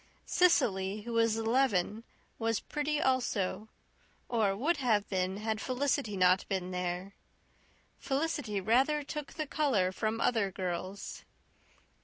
Cecily, who was eleven, was pretty also or would have been had Felicity not been there. Felicity rather took the colour from other girls.